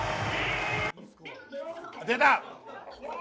出た！